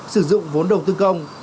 sử dụng vốn đầu tư công